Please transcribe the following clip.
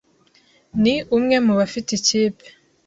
ni umwe mu bafite ikipe